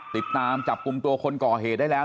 ติดตามจับกลุ่มตัวคนก่อเหตุได้แล้ว